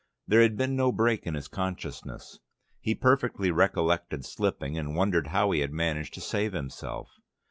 There had been no break in his consciousness; he perfectly recollected slipping, and wondered how he had managed to save himself.